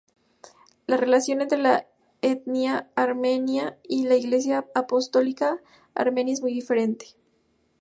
La relación entre la etnia armenia y la Iglesia apostólica armenia es muy fuerte.